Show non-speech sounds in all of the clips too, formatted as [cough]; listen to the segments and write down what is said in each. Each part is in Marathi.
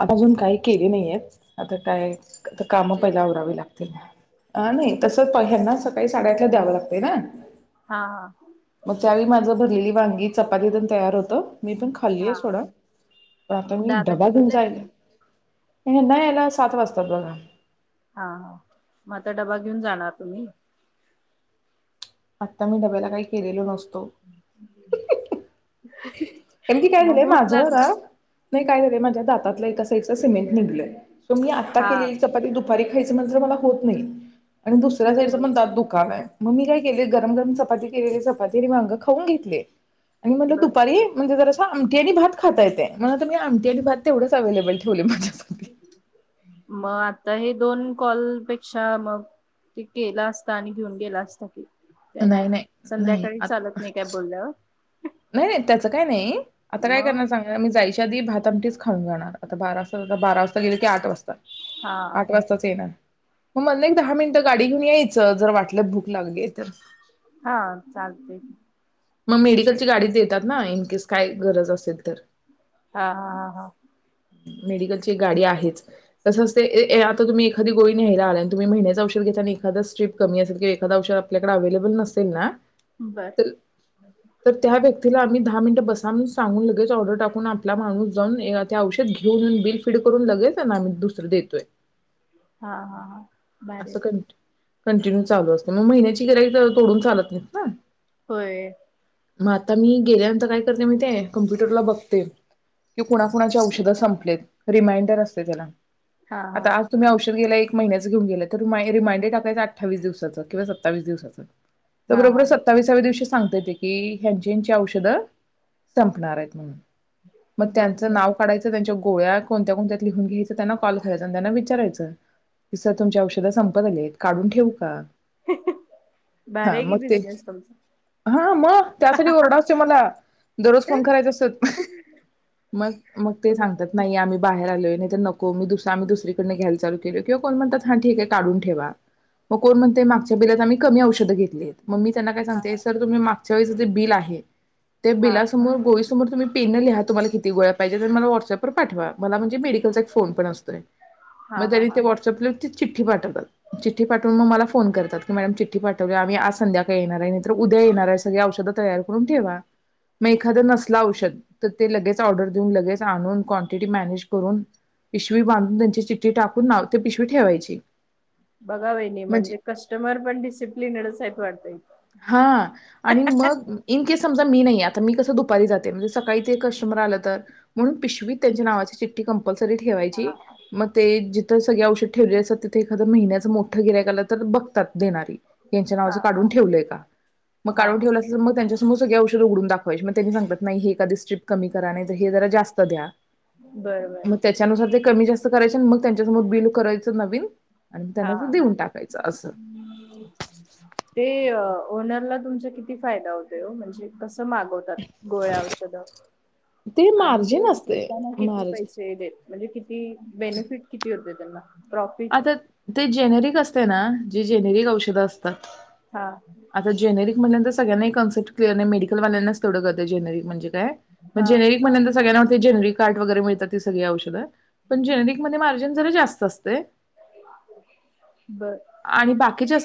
आता अजून काही केली नाहीये आता काय आता काम पहिले आवरावी जेवण लागतील अ नाही तस पण ह्यांना सकाळी साडेआठला द्यावं लागतंय ना. हा हा. मग त्यावेळी माझं भरलेली वांगी चपाती तेन तयार होत मी पण खाल्लेली हा सोडा पण आता मी दादा डबा घेऊन कितीला आहे? जायला ह्यांना यायला सात वाजतात बघा हा हा मग आता डबा घेऊन जाणार तुम्ही. आता मी डब्याला काही केलेलो नस तो नेमकी काय मग झालंय भूक माझं ना लागणार नाही काय झालाय माझ्या दातातलं एका साईडचं सिमेंट निघलंय. तुम्ही आत्ता हा केलेली चपाती खायचं होत नाही. आणि दुसऱ्या साईडचं होय पण दात दुखायलय मग मी काय केले गरम गरम चपाती केलेली चपाती आणि वांग खाऊन घेतले. आणि म्हणलं तु बर ऐ‌, म्हणजे जर तस आमटी आणि भात खाता येतय म्हणून तर मी आमटी आणि भात तेवढच अवेलेबल ठेवले आहे माझ्याक [inaudible] तरी दोन कॉल पेक्षा मग ते केला असता, आणि घेऊन गेला असता, की नाही संध्याकाळी चालत नाही काही बोलल्यावर नाही नाही त्याचं काय नाही आता काय मग करणार सांगणार मी जायची कधीही भात आमटीच खाऊन जाणार आता बारा वातात बारा वाजता गेले ते आठ वाजता हा आठ वाजताच येणार. म्हटलं, दहा मिनिटं गाडी घेऊन यायचं, जर वाटल्यात भूक लागलीये. हा चालतय. मग मेडिकलची गाडी देतात ना. आइनकीस काय गरज असेल तर. हा हा हा हा मेडिकलची गाडी आहेच तसच आता तुम्ही एखादी गोळी घ्यायला आलाय तुम्ही महिन्याच औषध घ्यायचं आणि एखाद स्ट्रीप कमी असेल किंवा एखाद औषध आपल्याकडे अवेलेबल नसेल ना बर. तर तर त्या व्यक्तीला आम्ही दहा मिनट बसा म्हणून सांगून लगेच ऑर्डर टाकून आपला माणूस जाऊ औषध घेऊन बिल पेड करून लगेच दुसर देतोय हा हा हा भारी असं कंटिन्यू चालू असते मग महिन्याची गिराईक तोडून चालत नाहीस ना होय मग आता मी गेल्यानंतर काय करते माहितीये कम्प्युटरला बघते कि कुणाकुणाची औषधं संपलेत रिमाइंडर असते त्याला हा हा आता आज तुम्ही औषध घ्यायला एक महिन्याचा घेऊन गेल तर रिमांडर टाकायचा अठ्ठावी दिवसाच किंवा सत्तावीस दिवसाचं तर हा हा बरोबर हा सत्तावीसाव्या दिवशी सांगतय ते की त्यांचे औषध संपणार आहेत म्हणून मग बर त्यांचं बर नाव काढायचं त्यांच्या गोळ्या कोणत्या कोणत्यात लिहून घ्यायचं? त्यांना कॉल करायच आणि त्यांना विचारायचं की सर तुमची औषधं संपत आलीत काढून ठेवू का? भारी हा आहे की म ते बिझनेस तुमचा हा म त्यासाठी ओरडा असतेो मला दररोज फोन करायचा असत ह ह मग मग ते सांगतात नाही आम्ही बाहेर आलो नको आम्ही दुसरीकडून घ्यायला चालू केलंय कोण म्हणात हा ठीक आहे काढून ठेवा मग कोण म्हणतेय मागच्या बिलात आम्ही कमी औषध घेतली मग मी त्यांना काय सांगते सर तुम्ही मागच्या वेळेस ते बिल आहे. त्या हा बिलासमोर गोळी सर तुम्ही पेन न लिहा तुम्हाला किती गोळ्या पाहिजेत आणि मला व्हॉट्सअँपपर पाठवा, मला म्हणजे मेडिकल चा एक फोन पण असतोय. हा मग हा त्यानी हा ते व्हॉट्सअप लिंक ते चिठ्ठी पाठवतात चिठ्ठी पाठवून मग मला फोन करतात की मॅडम चिठ्ठी पाठवली आम्ही आज संध्याकाळी येणार आहे नाही तर उद्या येणार आहे सगळी औषध. तयार करून ठेवा मग एखाद नसल औषध तर ते लगेच ऑर्डर देऊन लगेच आणून कॉन्टीटी मॅनेज करून पिशवी बांधून त्यांची चि्ठी टाकून पिशवी ठेवायची बघाव वाहिनी म्हणजे कस्टमर पण डिसिप्लिनड च आहे वाटतय हा आणि मग इन्केस समजा मी नाही आता मी कस दुपारी जाते म्हणजे सकाळी ते कस्टमर आले तर म्हणून पिशवी त्यांच्या नावाची चिठ्ठी कम्प्लसरी ठेवायची हा मग ते सगळे औषध ठेवले असतात तिथे एखादं महिन्यां मोठं गिराईक आलं तर बघतात देणारी त्यांच्या हा नावचं हा काढून ठेवलय का मग हा काढून ठेवलं असल तर त्याच्या समोर सगळी औषध उघडून दाखवायची मग त्यांनी सांगतात नाही ही एखादी स्क्रिप्ट कमी करा नाही हे जरा जास्त द्या. बर बर मग त्याच्यानुसार ते कमी जास्त करायच्या आणि मग त्यांच्यासमोर बिल करायचं नवीन आणि हा त्यांना ते हा. देऊन टाकायचं असं ते ओनरला तुमच्या किती फायदा होतोय वो म्हणजे मागवतात गोळ्या औषध ते आणि ते मार्जिन असते त्याना किती मार्जिन पैसे देत म्हणजे किती बेनिफिट किती होते त्यांना प्रॉफिट आता ते जेनेरिक असते ना जे जेनेरिक औषधं असते हा आता जेनेरिक म्हणल्या नंत सगळ्यांना ही कन्सेप्टच कळत नाही मेडिकल वल्यानाच तेवढं कळतंय जेनरिक म्हणजे [unintelligible] हा म्हणजे एक महिन्याच सगळ्यांना वाटतंय जनरीकार्ड वगैरे मिळतात ती सगळी औषधं पण जेनरिक मध्ये पण जरा जास्त असतय बर आणि बाकीच्या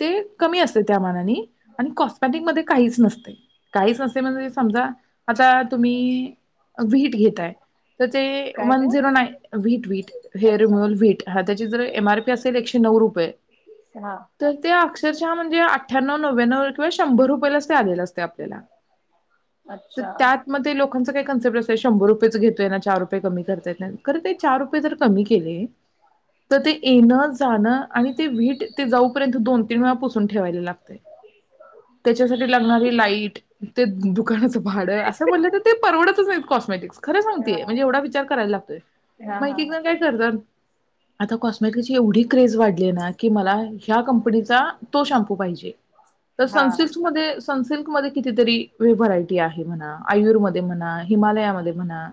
ते कमी असते त्या मानाने आणि कॉस्मेटिक मध्ये काहीच नसते काहीच नसते म्हणजे समजा आता तुम्ही वीट घेत तर ते काय वन काय? झिरो नाई वीट वीटहेअर अच्छा रीमोवल व्हीट त्याची जर एम आर पी एकशे नऊ रुपये हा तर ते अक्षरशः म्हणजे अठ्यांनव नव्यानव एक वेळ शंभर रुपयलाच आलल असते आपल्याला तर अच्छा त्यातमध्ये लोकांच काही शंभर रुपयेच घेतोय ना चार रुपये कमी करतोय ना चार रुपये जर कमी केले तर ते एना जाणं आणि ते व्हीट ते जाऊपर्यंत दोन दोन तीन वेळा ते पुसून ठेवायला लागते त्याच्यासाठी लागणारी लाईट ते दुकानाच भाड असं म्हणलं तर ते परवडतच नाही कॉस् कॉस्मेटिक्स खरं हा सांगते म्हणजे एवढा विचार करायला लागतोय हा म एक हा एक जण काय करतात आता कॉस्मेटिकची एवढी क्रेज वाढली ना की मला ह्या कंपनीचा तो शॅम्पू पाहिजे तर हा सनसिल्क मध्ये सनसिल्क मध्ये किती तरी व्हरायटी आहे म्हणा आयुर मध्ये हिमालया मध्ये म्हणा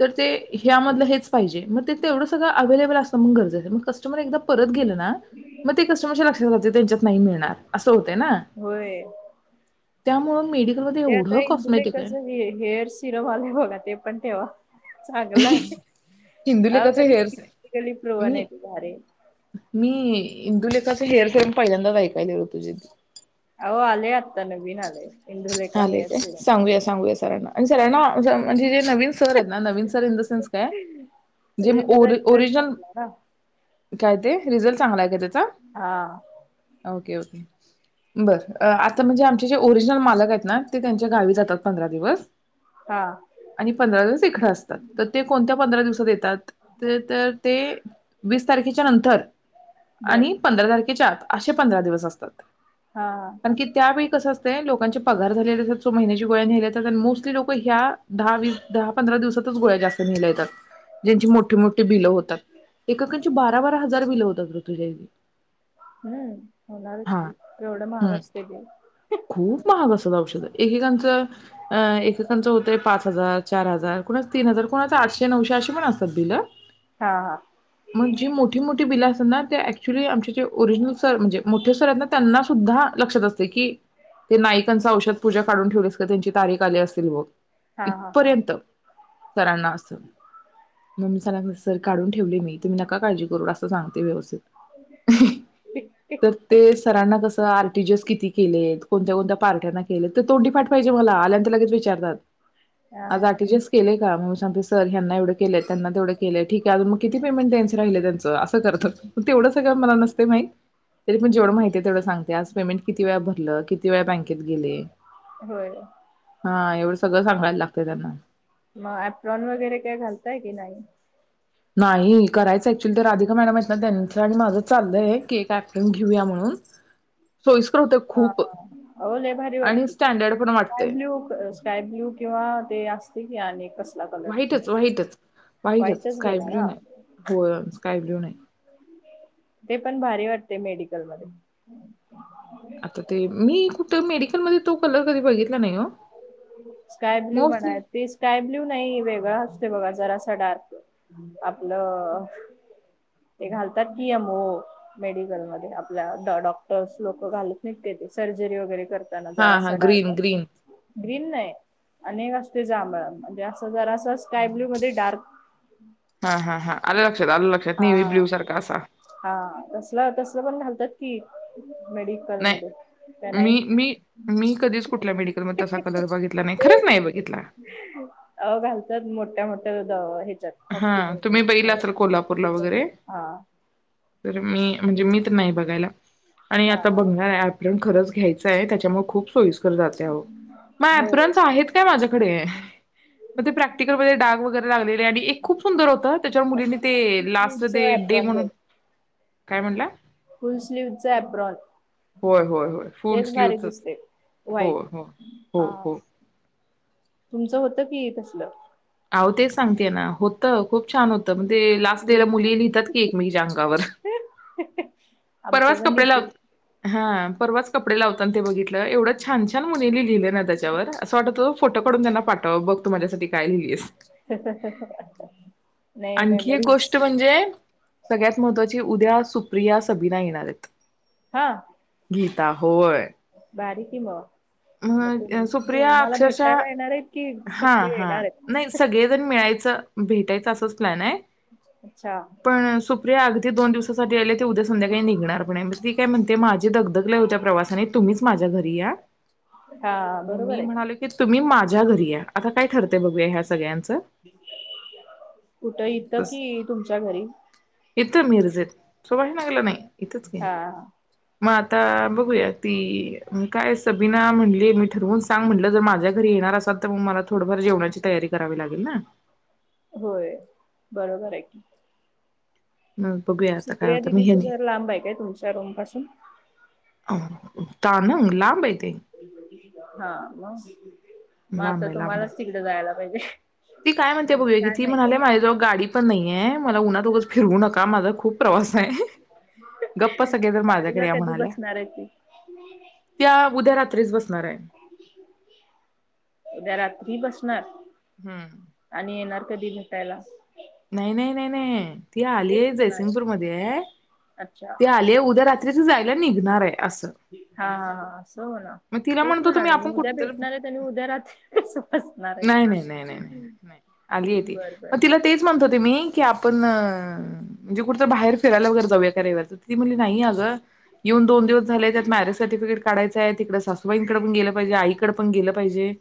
तर ते ह्या मधल हेच पाहिजे म ते तेवढं सगळं अवेलेबल मग गरजे आहे मग कस्टमर एकदा परत गेल ना मग ते कस्टमरच्या लक्षात रहातय त्यांच्या ते नाही मिळ होय त्यामुळं मेडिकलमध्ये ते आता एवढं कॉस्मेटिक आहे इंदुलेखाचे हे हेअर सिरम आले बघा ते पण ठेवा चांगलं आहे अ इंदुलेखाचं खरच हेअर की प्रोन आहे मी त भारी मी इंदुलेखाच हेअर सिरम पहिल्यांदाच ऐकायले बघ तुझीच हो आले आत्ता नवीन आले आलेय काय सांगूया सांगूयाझ सराना सरांना म्हणजे जे नवीन सर आहेत ना नवीन सर इन द स नसकाय जे तरी ओ त्याचा रिझल्ट ओरिजनल चांगला ना काय ते रिझल्ट चांगला आहेय काय? हा बर आता म्हणजे आमचे जे ओरिजनल जे मालक आहेत ना ते त्यांच्या गावी जातात पंधरा दिवस हा आणि पंधरा दिवस इकडं असतात तर ते कोणत्या पंधरा दिवसात येतात ते तर ते वीस तारखेच्या नंतर बर. आणि पंधरा तारखेच्या आत. असे पंधरा दिवस असतात हा की त्यावेळी कसं असतं. लोकांचे पगार झालेले असतात सो महिन्याच्या गोळ्या न्यायल येतात आणि मोस्टली लोक ह्या दहा वीस दहा पंधरा दिवसातच गोळ्या जास्त न्यायला येतात. ज्यांची मोठी मोठी बिलं होतात एककांची बारा बारा हजार बिलं होतात ऋतूजा हम्म होणारच एवढं महाग हं. असते ते खूप महाग असतात औषध एकेकांच अ एकेकांच होतय पाच हजार चार हजार कुणा तीन हजार कोणाचं आठशे नऊशे अशी पण असतात. बिल हा हा म्हणजे मोठी मोठी बिल आसतात ना ऍक्च्युली आमचे जे ओरिजनल सर म्हणजे मोठे सर आहेत ना त्यांना सुद्धा लक्षात असतय की, ते नाईकांचा औषध पूजा काढून ठेवलीस का त्यांची तारीख आली असेल बग. हा हा इथपर्यंत सरांना असं मग मी सरां सर काढून ठेवले मी तुम्ही नका काळजी करू असं सांगते व्यवस्थित तर ते सरांना कस आर टीजर्स किती केलेत? कोणत्या कोणत्या पार्ट्याना केले तर तोंडी पाठ पाहिजेत मला आल्यांत तर लगेच विचारतात. हा आज आर टी जी एस केले का मग सांगतोय सर यांना एवढं केलय त्यांना तेवढं केलंय ठीक आहे अजून मग किती पेमेंट द्यायचं राहिलय त्यांच असं करतात. तेवढं सगळं मला नसतय माहीत तरी पण जेवढ माहितीये तेवढं सांगते. आज पेमेंट किती वेळा भरल किती वेळा बँकेत गेले. होय हा एवढं सगळं सांगायला लागतय त्यांना मग अप्रॉन वगैरे काय घालताय की नाही नाही करायचं ऍक्च्युली तर राधिका मॅडम आहेत ना त्यांच आणि माझं चाललंय एक ॲप्रॉन घेऊया म्हणून सोयीस्कर होतंय हा खूप आओ लय भारी आणि वाटते स्टँडर्ड पण स्काय वाटतंय ब्ल्यू स्काय ब्ल्यू किंवा ते असतय कि आणि कसल व्हाइटच व्हाइटच व्हाइटच व्हाईटच स्काय घेणार ब्ल्यू हा नाही हो स्काय नाही ते पण भारी वाटते मेडिकल मध्यें आता ते मी कुठे मेडी तो कलर कधी बघितला नाही हो स्काय ब्ल्यू मोस्टली म्हणाय ते स्काय ब्ल्यू नाही वेगळां असते बघा जरा डार्क आपल ते घालतात की यमओ मेडिकल म आपल्या डॉक्टर् लोक घालत नाहीत काय ते सर्जरी वगैरे कर हा हा ग्रीन ग्रीन आणि एक असतय जांभळा म्हणजे अस जरा अस हा हा हा आले लक्षात आलं लक्षात निवी ब्ल्यू हा सारखा असा हा तसलं तसल पण घालतात कि नाही मी मी मी कधीच कुठल्या मेडिकल म तसा कलर बघितला नाही खरंच नाही बघितला. ह हा हॉस्पिटल म तुम्ही बघितला असाल कोल्हापूरला मेडल म वगैरे हा. तर मी म्हणजे मी नाही बघायला आणि हा आता बघणार आहे आप खरच घायचा आहे त्याच्या मूळ खूप सोईस्कर जात मग होय आप्रन्स आहेत कि माज्या कडे कडे मग ते प्रॅक्टिकलमध्ये डाग वगैरे लागलेले आणि ए खूप सुंदर होता त्याच्यावर मुलींनी ते लास्ट स्लीवच ते डे एप्रॉन म्हणून घ्यायच काय म्हणला? फुल स्लीवच आहे आप्रॉन होय होय होय फुल तेच भारी स्लीवचच दिसते हो व्हाईट हो हो हा. हो तुमचं होत की ये तसल. अह तेच सांगते ना होतं खूप छान होत म्हण ते लास्ट डे ला मुली लिहितात की एक मझच्या अंगावर. आमचं परवाच पण कपडे लिहितील लावत हा परवाच कपडे लावतान ते बघित एवढं छान छान मुलींनी लिहिलं ना त्याच्यावर असं वाटतो फोटो काढून त्यांना पाठवाव बघ तु माझ्यासाठी काय लिहिलीस नाही आणखी एक मेमरीज गोष्ट म्हणजे सगळ्यात महत्त्वाची उद्या सुप्रिया सबिना येणार आहेत हा गीता होय बारीक हिमा म सुप्रिया अक्षरशः भेटायला येणार आहेत की हा फक्त हा येणार आहेत? नाही सगळेजण मिळायचं भेटायचं असंच प्लॅन आहे अच्छा पण अगदी दोन दिवसासाठी आले ते उद्या संध्याकाळी निघणार पण मग ती काय म्हणते माझे दगदग लय होत्या प्रवासाने तुम्हीच माझ्या घरी या हां मग बरोबर मी आहे. म्हणालो की तुम्ही मा माझ्या घरी आता काय ठरते बघया ह्या सगळ्यांच कुठं इथं बस कि तुमच्या घरी इथं मिर्जेत सोहाय ना गेला नाही. हा म आता बघूया ती काय स बी म्हंटली मी ठरवून सांग म्हटलं जर माझ्या घरी येणार असाल तर मग मला थोडंफार जेवणाची तयारी करावी लागेल ना. होय बरोबर आहे की मग बघूया आता काय सुप्रिया होतं मग दिदीचं ह्यानी घर लांब आहे काय तुमच्या रूम पासून तानंग लांब आहे ते हा मग मग लांब आता आहे लांब आहे तुम्हालाच तिकड जायला होय ती काय म्हणते बघूया की ती म्हणाले माझजवळ गाडी पण नाहीेये मला उन्हात उगाच फिरवू नका आ माझा खूप प्रवास गप्प सगळे जण गाडीला माझ्याकडे या कधी म्हणाल्या बसणार आहे ती? त्या उद्या रात्रीच बसणार आहे उद्या रात्री बसणार हं आणि येणार कधी भेटायला? नाही नाही नाही नाही ती तेच आलीय म्हणाले. जयसिंगपूर मध्ये आहे, ते अच्छा. ती आलीय आहे उदया रात्री जायला निघणारय हा, हा, हा असं हो ना मग तिला तेच म्हणत होतो म्हणाले मी आपण उद्या कुठ भेटणार आहेत आणि उद्या रात्री कसं बस नाही नाही नाही नाही नाही नाही आली आहे ती बरं बरं. मग तिला तेच म्ह म्हणत होते मी की आपण अ म्हणजे कुठंतरी बाहेर फिरायला वगैरे जाऊया का रविवारच तर ती म्हणाल नाही. अगं येऊन दोन दिवस झाले त्यात मॅरेज सर्टिफिकेट काढायचं हाय तिकडे सासूबाईंकडे पण गेलं पाहिजे, आईकडे पण गेलं पाहिजे.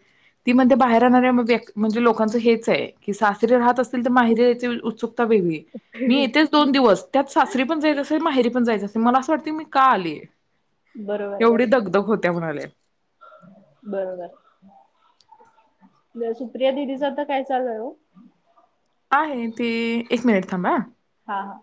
ती म्हणते बाहेर नाही मंजे म्हणजे लोकांच हेच आहे की सासरी राहत असतील तर माहेरी जायची उत्सूकता [inaudible] मी येतेच दोन दिवस. त्यात सासरी पण जायचं असतंय आणि माहेरी समजायचं. तर मला असं वाटतंय मी का आलीय, बरोबर आहे एवढी दगदग होत्या म्हणाले. बरोबर सुप्रिया दिदीच तर आता काय चालूय ओ? आहे ते एक मिनिट थांबा हा. हा, हा.